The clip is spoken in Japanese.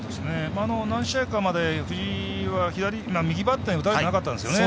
何試合かまで藤井は右バッターに打たれてなかったんですよね。